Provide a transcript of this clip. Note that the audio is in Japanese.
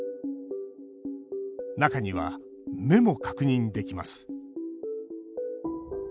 中には、目も確認できます。